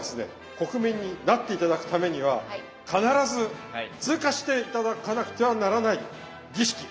国民になって頂くためには必ず通過して頂かなくてはならない儀式。